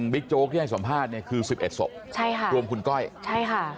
บิ๊กโจ๊กให้สัมภาษณ์เนี่ยคือ๑๑ศพใช่ค่ะรวมคุณก้อยใช่ค่ะ